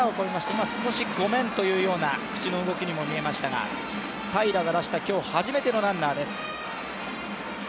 今少し、ゴメンというような口の動きにも見えましたが、平良が出した今日初めてのランナーです。